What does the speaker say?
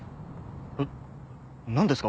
えっ何ですか？